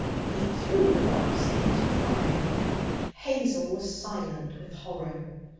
He threw the box into the fire. Hazel was silent with horror.